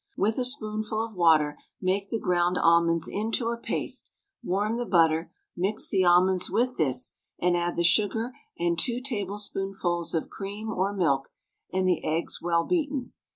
With a spoonful of water make the ground almonds into a paste, warm the butter, mix the almonds with this, and add the sugar and 2 tablespoonfuls of cream or milk, and the eggs well beaten.